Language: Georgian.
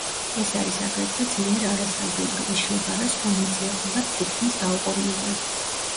ის არის აგრეთვე ძლიერ არასტაბილური, იშლება რა სხვა ნაწილაკებად თითქმის დაუყოვნებლივ.